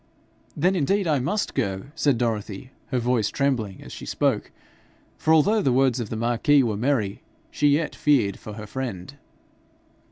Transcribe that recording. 'Then, indeed, I must go,' said Dorothy, her voice trembling as she spoke; for although the words of the marquis were merry, she yet feared for her friend.